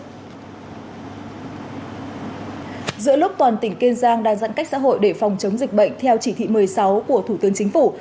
giữa lúc toàn tỉnh kiên giang đang giãn cách xã hội để phòng chống dịch bệnh theo chỉ thị một mươi sáu của thủ tướng chính phủ